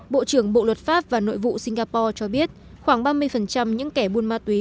bộ trưởng bộ luật pháp và nội vụ singapore cho biết khoảng ba mươi những kẻ buôn ma túy